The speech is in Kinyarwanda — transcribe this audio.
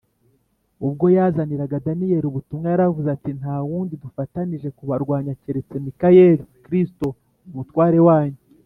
. Ubwo yazaniraga Daniyeli ubutumwa, yaravuze ati, ‘‘Nta wundi dufatanije kubarwanya keretse Mikayeli, [Kristo] umutware wanyu.